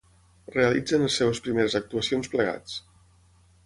Realitzen les seues primeres actuacions plegats.